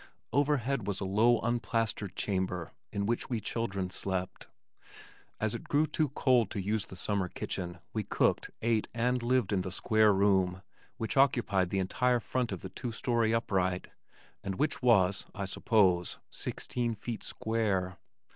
Overhead was a low unplastered chamber in which we children slept. As it grew too cold to use the summer kitchen we cooked, ate and lived in the square room which occupied the entire front of the two story upright, and which was, I suppose, sixteen feet square.